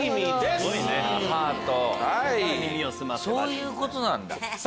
そういうことなんだ。